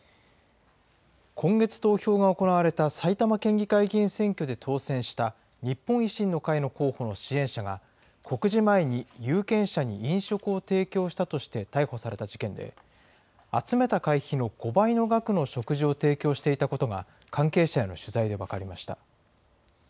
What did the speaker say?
今月投票が行われた埼玉県議会議員選挙で当選した日本維新の会の候補の支援者が、告示前に有権者に飲食を提供したとして逮捕された事件で、集めた会費の５倍の額の食事を提供していたことが、関係者への取材で分かりました。